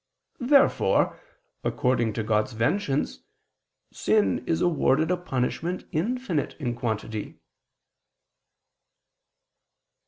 Therefore according to God's vengeance, sin is awarded a punishment infinite in quantity.